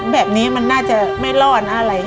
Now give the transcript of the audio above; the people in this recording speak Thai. แบบนี้มันน่าจะไม่รอดอะไร